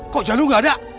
kok jalu gak ada